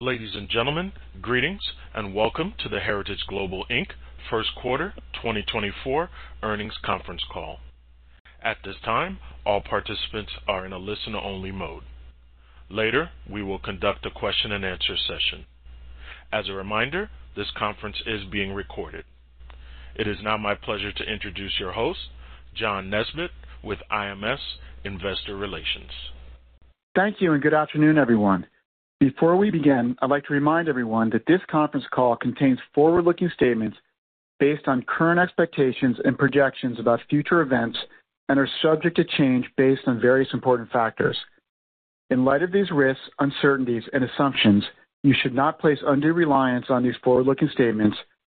Ladies and gentlemen, greetings, and welcome to the Heritage Global Inc. first quarter 2024 Earnings Conference Call. At this time, all participants are in a listen-only mode. Later, we will conduct a Q&A session. As a reminder, this conference is being recorded. It is now my pleasure to introduce your host, John Nesbett, with IMS Investor Relations. Thank you, and good afternoon, everyone. Before we begin, I'd like to remind everyone that this conference call contains forward-looking statements based on current expectations and projections about future events and are subject to change based on various important factors. In light of these risks, uncertainties, and assumptions, you should not place undue reliance on these forward-looking statements,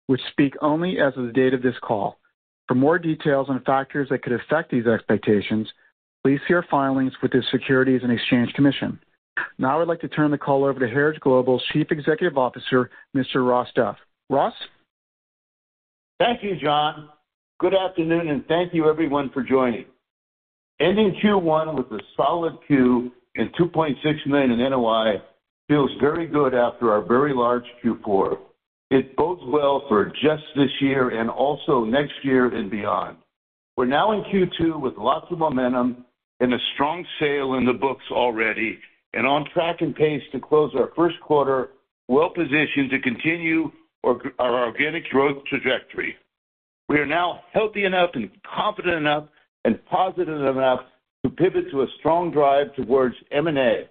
which speak only as of the date of this call. For more details on factors that could affect these expectations, please see our filings with the Securities and Exchange Commission. Now I'd like to turn the call over to Heritage Global's Chief Executive Officer, Mr. Ross Dove. Ross? Thank you, John. Good afternoon, and thank you everyone for joining. Ending Q1 with a solid Q and $2.6 million in NOI feels very good after our very large Q4. It bodes well for just this year and also next year and beyond. We're now in Q2 with lots of momentum and a strong sale in the books already, and on track and pace to close our first quarter, well-positioned to continue our, our organic growth trajectory. We are now healthy enough and confident enough and positive enough to pivot to a strong drive towards M&A.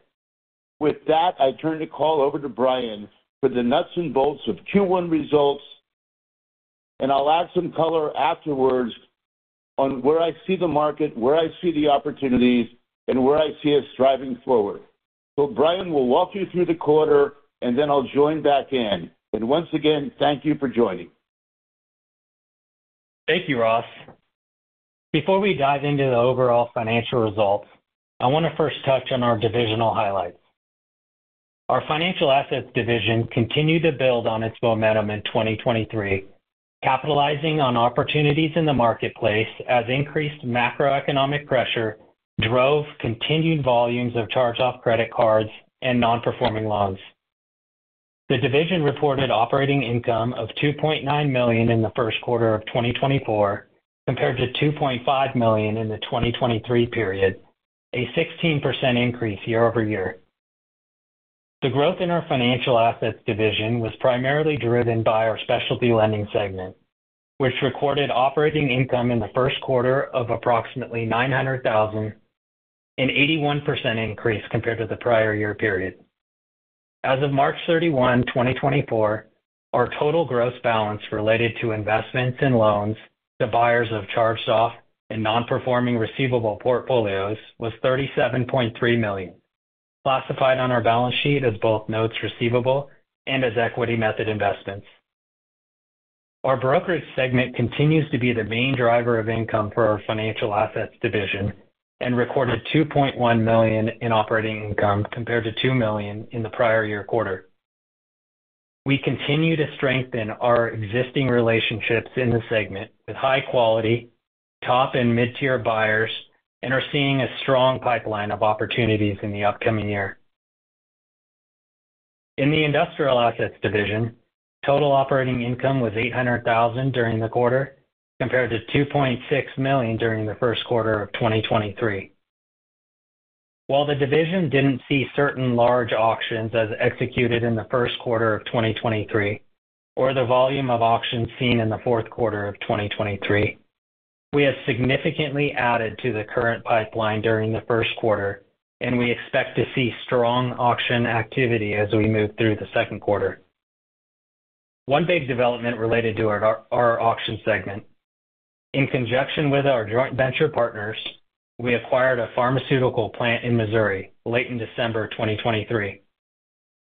With that, I turn the call over to Brian for the nuts and bolts of Q1 results, and I'll add some color afterwards on where I see the market, where I see the opportunities, and where I see us striving forward. Brian will walk you through the quarter, and then I'll join back in. Once again, thank you for joining. Thank you, Ross. Before we dive into the overall financial results, I want to first touch on our divisional highlights. Our financial assets division continued to build on its momentum in 2023, capitalizing on opportunities in the marketplace as increased macroeconomic pressure drove continued volumes of charge-off credit cards and non-performing loans. The division reported operating income of $2.9 million in the first quarter of 2024, compared to $2.5 million in the 2023 period, a 16% increase year-over-year. The growth in our financial assets division was primarily driven by our specialty lending segment, which recorded operating income in the first quarter of approximately $900,000, an 81% increase compared to the prior year period. As of March 31, 2024, our total gross balance related to investments in loans to buyers of charge-off and non-performing receivable portfolios was $37.3 million, classified on our balance sheet as both notes receivable and as equity method investments. Our brokerage segment continues to be the main driver of income for our financial assets division and recorded $2.1 million in operating income, compared to $2 million in the prior year quarter. We continue to strengthen our existing relationships in the segment with high quality, top and mid-tier buyers, and are seeing a strong pipeline of opportunities in the upcoming year. In the industrial assets division, total operating income was $800,000 during the quarter, compared to $2.6 million during the first quarter of 2023. While the division didn't see certain large auctions as executed in the first quarter of 2023, or the volume of auctions seen in the fourth quarter of 2023, we have significantly added to the current pipeline during the first quarter, and we expect to see strong auction activity as we move through the second quarter. One big development related to our auction segment. In conjunction with our joint venture partners, we acquired a pharmaceutical plant in Missouri late in December 2023.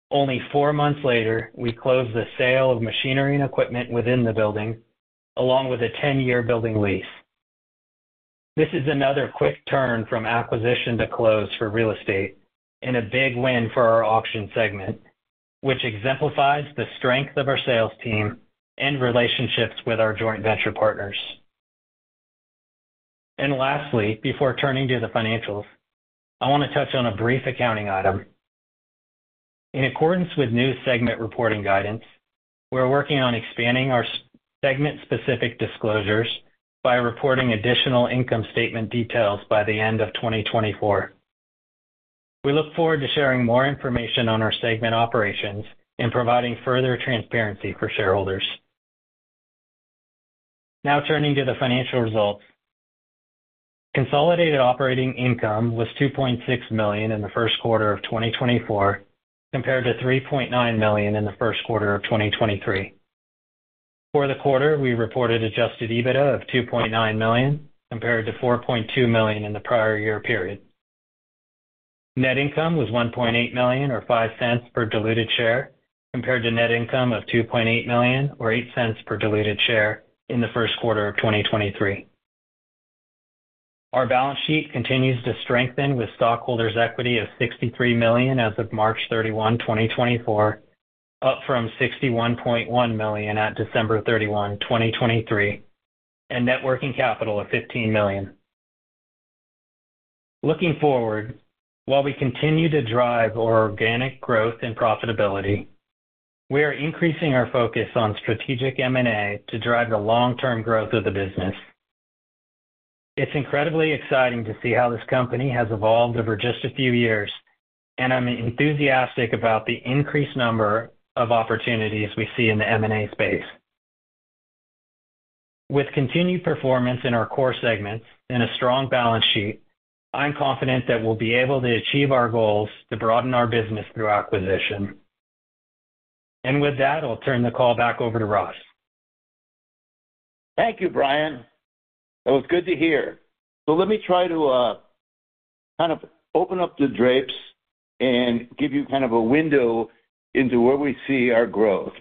Only 4 months later, we closed the sale of machinery and equipment within the building, along with a 10-year building lease. This is another quick turn from acquisition to close for real estate and a big win for our auction segment, which exemplifies the strength of our sales team and relationships with our joint venture partners. And lastly, before turning to the financials, I want to touch on a brief accounting item. In accordance with new segment reporting guidance, we're working on expanding our segment-specific disclosures by reporting additional income statement details by the end of 2024. We look forward to sharing more information on our segment operations and providing further transparency for shareholders. Now turning to the financial results. Consolidated operating income was $2.6 million in the first quarter of 2024, compared to $3.9 million in the first quarter of 2023. For the quarter, we reported Adjusted EBITDA of $2.9 million, compared to $4.2 million in the prior year period. Net income was $1.8 million, or $0.05 per diluted share, compared to net income of $2.8 million, or $0.08 per diluted share in the first quarter of 2023. Our balance sheet continues to strengthen with stockholders' equity of $63 million as of March 31, 2024, up from $61.1 million at December 31, 2023, and net working capital of $15 million. Looking forward, while we continue to drive our organic growth and profitability, we are increasing our focus on strategic M&A to drive the long-term growth of the business. It's incredibly exciting to see how this company has evolved over just a few years, and I'm enthusiastic about the increased number of opportunities we see in the M&A space. With continued performance in our core segments and a strong balance sheet, I'm confident that we'll be able to achieve our goals to broaden our business through acquisition. And with that, I'll turn the call back over to Ross. Thank you, Brian. It was good to hear. So let me try to kind of open up the drapes and give you kind of a window into where we see our growth.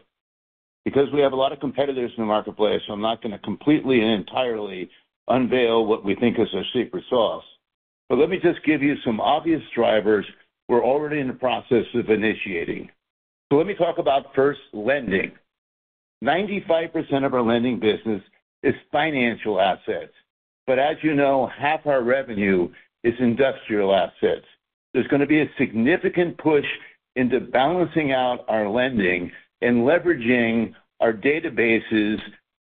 Because we have a lot of competitors in the marketplace, so I'm not going to completely and entirely unveil what we think is our secret sauce. But let me just give you some obvious drivers we're already in the process of initiating. So let me talk about first, lending. 95% of our lending business is financial assets, but as you know, half our revenue is industrial assets. There's going to be a significant push into balancing out our lending and leveraging our databases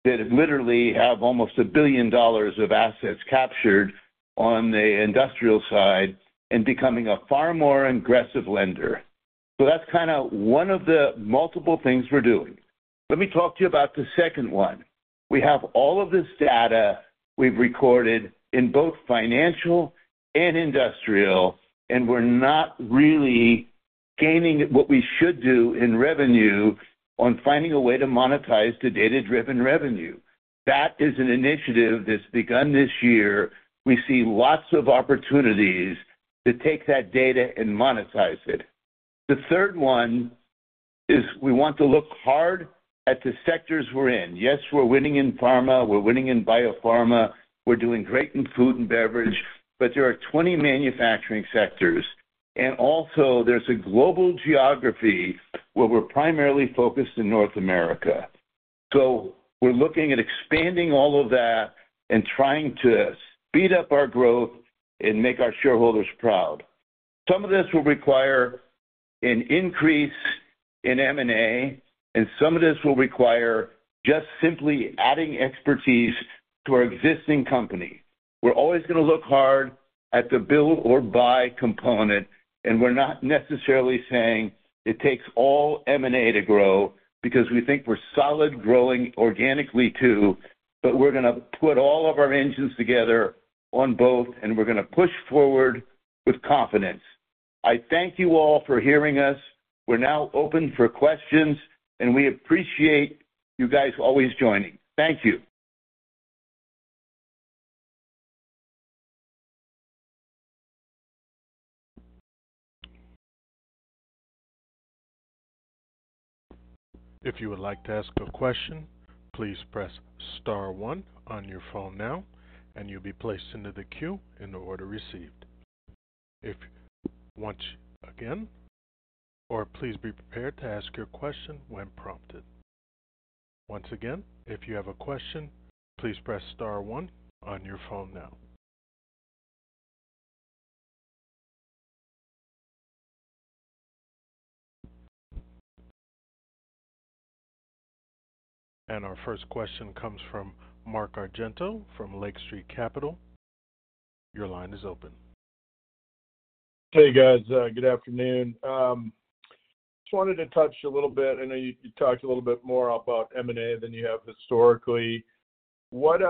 that literally have almost $1 billion of assets captured on the industrial side and becoming a far more aggressive lender. So that's kind of one of the multiple things we're doing. Let me talk to you about the second one. We have all of this data we've recorded in both financial and industrial, and we're not really gaining what we should do in revenue on finding a way to monetize the data-driven revenue. That is an initiative that's begun this year. We see lots of opportunities to take that data and monetize it. The third one is we want to look hard at the sectors we're in. Yes, we're winning in pharma, we're winning in biopharma, we're doing great in food and beverage, but there are 20 manufacturing sectors, and also there's a global geography where we're primarily focused in North America. So we're looking at expanding all of that and trying to speed up our growth and make our shareholders proud. Some of this will require an increase in M&A, and some of this will require just simply adding expertise to our existing company. We're always going to look hard at the build or buy component, and we're not necessarily saying it takes all M&A to grow, because we think we're solid growing organically, too. But we're going to put all of our engines together on both, and we're going to push forward with confidence. I thank you all for hearing us. We're now open for questions, and we appreciate you guys always joining. Thank you. If you would like to ask a question, please press star one on your phone now, and you'll be placed into the queue in the order received. If once again, or please be prepared to ask your question when prompted. Once again, if you have a question, please press star one on your phone now. Our first question comes from Mark Argento, from Lake Street Capital. Your line is open. Hey, guys, good afternoon. Just wanted to touch a little bit, I know you talked a little bit more about M&A than you have historically. What,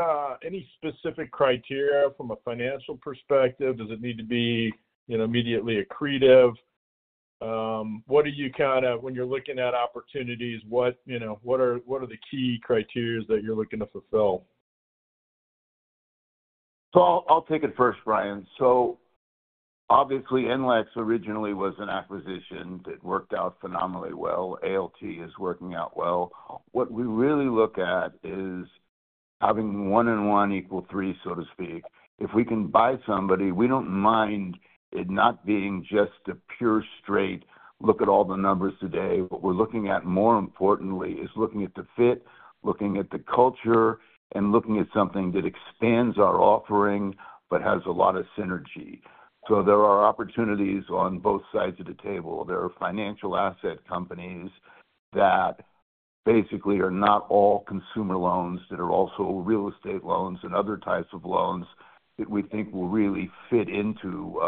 any specific criteria from a financial perspective, does it need to be, you know, immediately accretive? What are you kind of, when you're looking at opportunities, what, you know, what are, what are the key criteria that you're looking to fulfill? So I'll take it first, Brian. So obviously, NLEX originally was an acquisition that worked out phenomenally well. ALT is working out well. What we really look at is having one and one equal three, so to speak. If we can buy somebody, we don't mind it not being just a pure straight look at all the numbers today. What we're looking at, more importantly, is looking at the fit, looking at the culture, and looking at something that expands our offering, but has a lot of synergy. So there are opportunities on both sides of the table. There are financial asset companies that basically are not all consumer loans, that are also real estate loans and other types of loans that we think will really fit into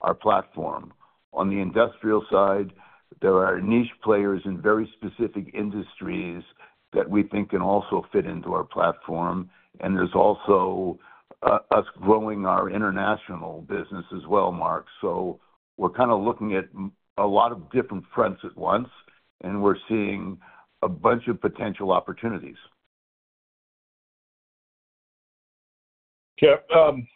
our platform. On the industrial side, there are niche players in very specific industries that we think can also fit into our platform, and there's also us growing our international business as well, Mark. So we're kind of looking at a lot of different fronts at once, and we're seeing a bunch of potential opportunities. Yeah,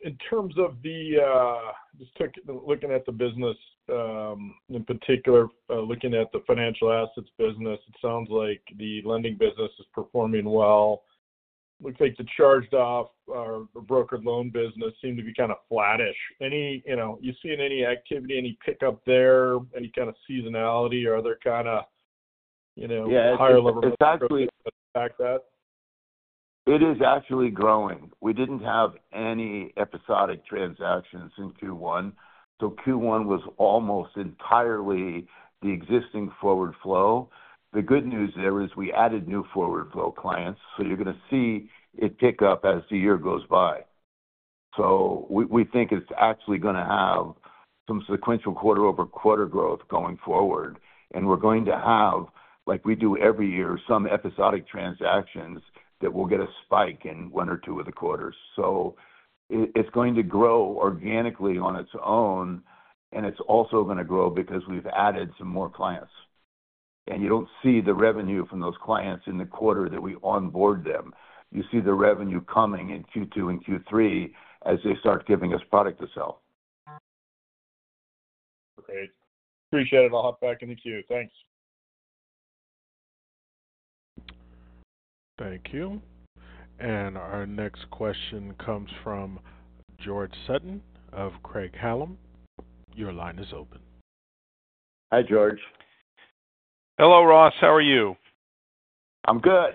in terms of the, just looking at the business, in particular, looking at the financial assets business, it sounds like the lending business is performing well. It looks like the charged off or brokered loan business seemed to be kind of flattish. Any... You know, you seen any activity, any pickup there, any kind of seasonality or other kind of, you know, higher level- Yeah, exactly. to back that? It is actually growing. We didn't have any episodic transactions in Q1, so Q1 was almost entirely the existing forward flow. The good news there is we added new forward flow clients, so you're going to see it tick up as the year goes by. So we think it's actually going to have some sequential quarter-over-quarter growth going forward, and we're going to have, like we do every year, some episodic transactions that will get a spike in one or two of the quarters. So it's going to grow organically on its own, and it's also going to grow because we've added some more clients. And you don't see the revenue from those clients in the quarter that we onboard them. You see the revenue coming in Q2 and Q3 as they start giving us product to sell. Great. Appreciate it. I'll hop back in the queue. Thanks. Thank you. Our next question comes from George Sutton of Craig-Hallum. Your line is open. Hi, George. Hello, Ross. How are you? I'm good.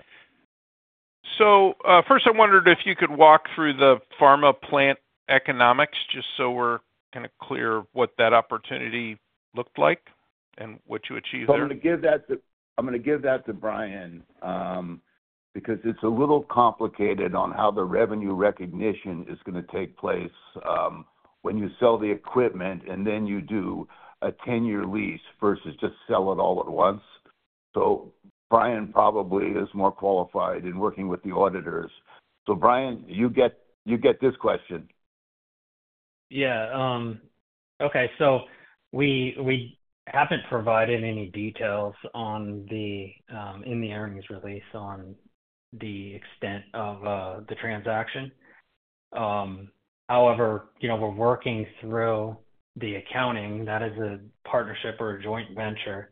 First, I wondered if you could walk through the pharma plant economics, just so we're kind of clear what that opportunity looked like and what you achieved there? I'm going to give that to, I'm going to give that to Brian, because it's a little complicated on how the revenue recognition is going to take place, when you sell the equipment and then you do a ten-year lease versus just sell it all at once. So Brian probably is more qualified in working with the auditors. So Brian, you get, you get this question. Yeah. Okay, so we haven't provided any details on the in the earnings release on the extent of the transaction. However, you know, we're working through the accounting. That is a partnership or a joint venture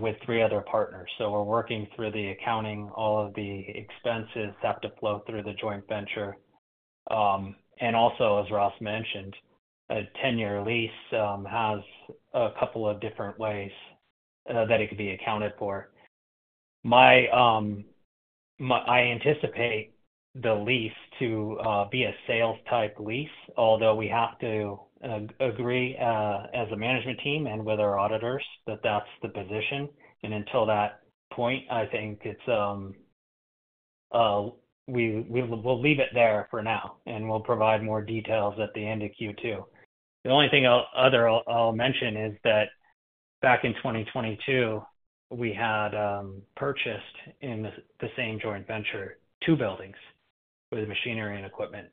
with 3 other partners. So we're working through the accounting. All of the expenses have to flow through the joint venture. And also, as Ross mentioned, a 10-year lease has a couple of different ways that it could be accounted for. I anticipate the lease to be a sales-type lease, although we have to agree as a management team and with our auditors, that that's the position. And until that point, I think it's we we'll leave it there for now, and we'll provide more details at the end of Q2. The only thing I'll mention is that back in 2022, we had purchased, in the same joint venture, two buildings with machinery and equipment.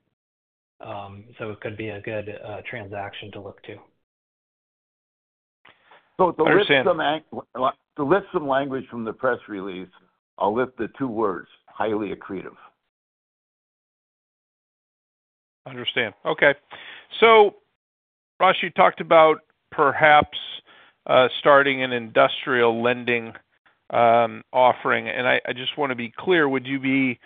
So it could be a good transaction to look to. Understand. So to lift some language from the press release, I'll lift the two words, highly accretive. Understand. Okay. So Ross, you talked about perhaps starting an industrial lending offering, and I just want to be clear, would you be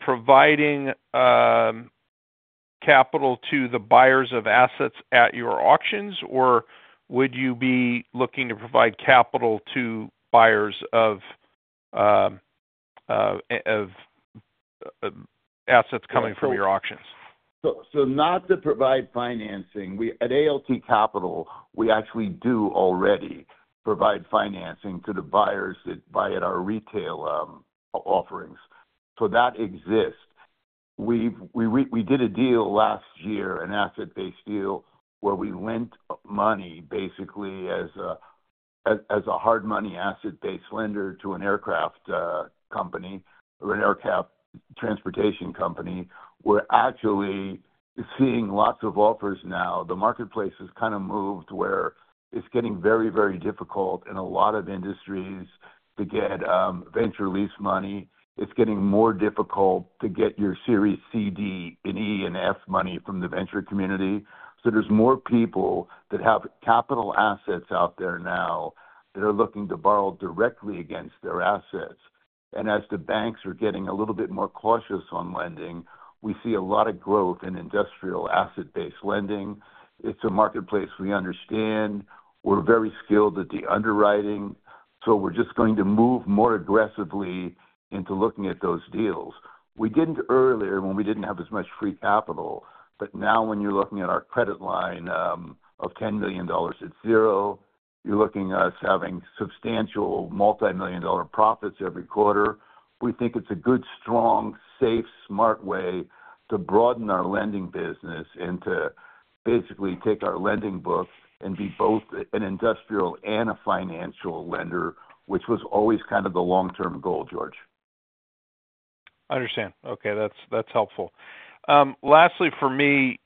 providing capital to the buyers of assets at your auctions, or would you be looking to provide capital to buyers of assets coming from your auctions? So not to provide financing. At ALT Capital, we actually do already provide financing to the buyers that buy at our retail offerings. So that exists. We did a deal last year, an asset-based deal, where we lent money basically as a hard money asset-based lender to an aircraft company or an AerCap transportation company. We're actually seeing lots of offers now. The marketplace has kind of moved to where it's getting very, very difficult in a lot of industries to get venture lease money. It's getting more difficult to get your Series C, D, and E, and F money from the venture community. So there's more people that have capital assets out there now that are looking to borrow directly against their assets. As the banks are getting a little bit more cautious on lending, we see a lot of growth in industrial asset-based lending. It's a marketplace we understand. We're very skilled at the underwriting, so we're just going to move more aggressively into looking at those deals. We didn't earlier when we didn't have as much free capital, but now when you're looking at our credit line, of $10 million at 0, you're looking at us having substantial multimillion-dollar profits every quarter. We think it's a good, strong, safe, smart way to broaden our lending business and to basically take our lending book and be both an industrial and a financial lender, which was always kind of the long-term goal, George. Understand. Okay, that's, that's helpful. Lastly, for me,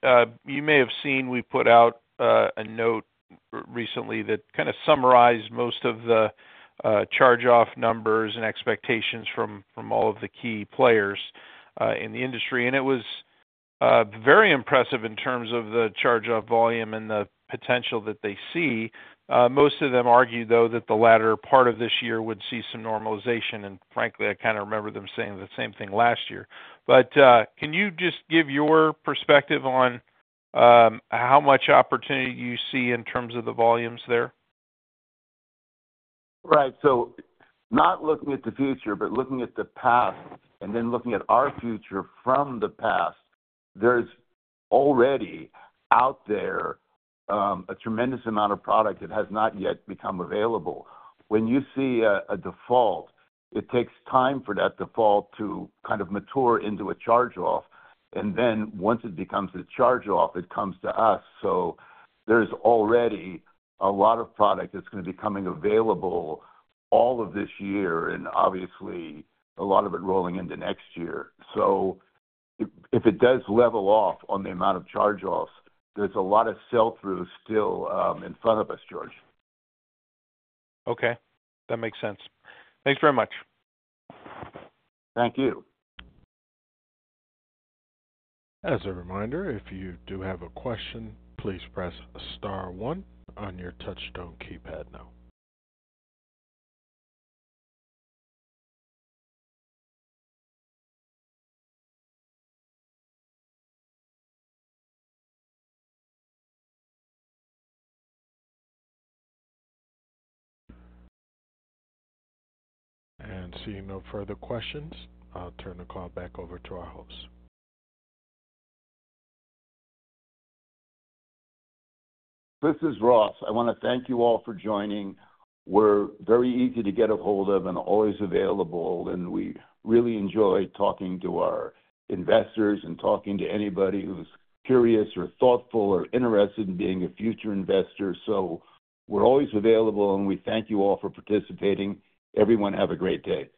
you may have seen, we put out a note recently that kind of summarized most of the charge-off numbers and expectations from all of the key players in the industry. And it was very impressive in terms of the charge-off volume and the potential that they see. Most of them argue, though, that the latter part of this year would see some normalization, and frankly, I kind of remember them saying the same thing last year. But can you just give your perspective on how much opportunity you see in terms of the volumes there? Right. So not looking at the future, but looking at the past and then looking at our future from the past, there's already out there a tremendous amount of product that has not yet become available. When you see a default, it takes time for that default to kind of mature into a charge-off, and then once it becomes a charge-off, it comes to us. So there's already a lot of product that's going to be coming available all of this year and obviously a lot of it rolling into next year. So if it does level off on the amount of charge-offs, there's a lot of sell-through still in front of us, George. Okay, that makes sense. Thanks very much. Thank you. As a reminder, if you do have a question, please press star one on your touchtone keypad now. Seeing no further questions, I'll turn the call back over to our hosts. This is Ross. I want to thank you all for joining. We're very easy to get ahold of and always available, and we really enjoy talking to our investors and talking to anybody who's curious or thoughtful or interested in being a future investor. So we're always available, and we thank you all for participating. Everyone, have a great day.